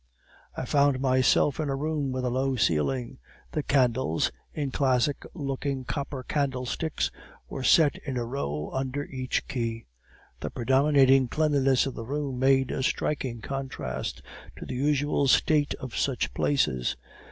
"I found myself in a room with a low ceiling; the candles, in classic looking copper candle sticks, were set in a row under each key. The predominating cleanliness of the room made a striking contrast to the usual state of such places.